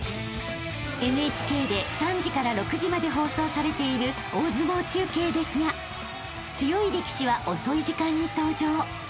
［ＮＨＫで３時から６時まで放送されている大相撲中継ですが強い力士は遅い時間に登場］